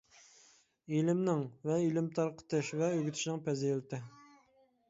ئىلىمنىڭ ۋە ئىلىم تارقىتىش ۋە ئۆگىتىشىنىڭ پەزىلىتى.